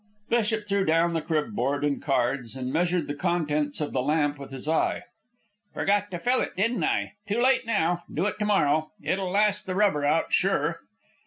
Bishop threw down the crib board and cards, and measured the contents of the lamp with his eye. "Forgot to fill it, didn't I? Too late now. Do it to morrow. It'll last the rubber out, sure."